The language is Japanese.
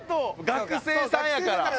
学生さんやから。